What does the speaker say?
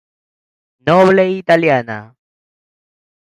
Noble italiana.